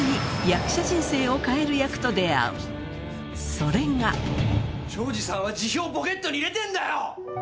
それが東海林さんは辞表をポケットに入れてんだよ！